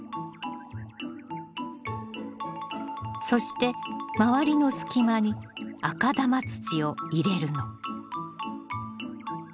そして周りの隙間に赤玉土を入れるの。